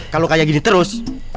kalau kayak gini terus